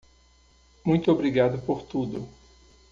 Muito obrigado por tudo.